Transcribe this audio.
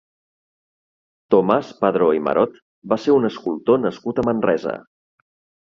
Tomàs Padró i Marot va ser un escultor nascut a Manresa.